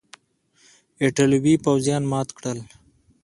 ایټالوي پوځیان مات کړل.